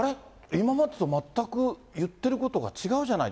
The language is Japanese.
今までと全く言ってることが違うじゃない。